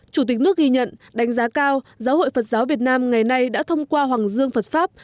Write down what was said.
chủ tịch nước ghi nhận đánh giá cao giáo hội phật giáo việt nam ngày nay đã thông qua hoàng dương phật pháp